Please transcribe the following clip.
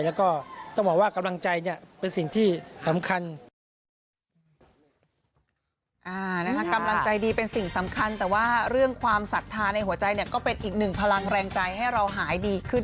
แล้วก็ต้องบอกว่ากำลังใจจะเป็นสิ่งที่สำคัญ